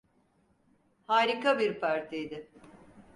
Harika bir partiydi.